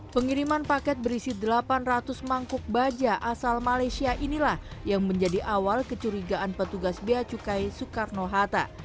pengiriman paket berisi delapan ratus mangkuk baja asal malaysia inilah yang menjadi awal kecurigaan petugas beacukai soekarno hatta